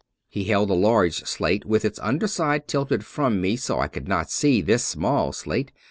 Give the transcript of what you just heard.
He held the large slate with its under side tilted from me, so I could not see this small slate.